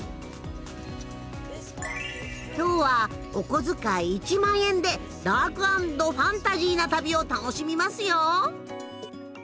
今日はおこづかい１万円でダーク＆ファンタジーな旅を楽しみますよ！